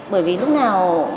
bởi vì lúc nào